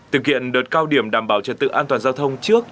thực hiện đợt cao điểm đảm bảo trật tự an toàn giao thông trước